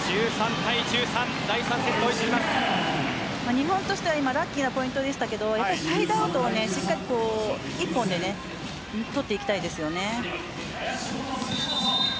日本としては今ラッキーなポイントでしたがサイドアウトは１本で取っていきたいです。